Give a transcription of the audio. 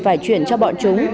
phải chuyển cho bọn chúng